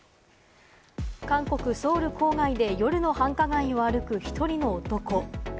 韓国・ソウル郊外で夜の繁華街を歩く１人の男。